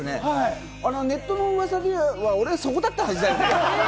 ネットの噂では俺、そこだったはずだよね！